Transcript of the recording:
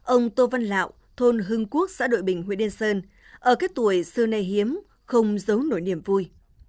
ông tô văn lạo thôn hưng quốc xã đội bình huyện yên sơn ở cái tuổi xưa nay hiếm không giấu nổi niềm vui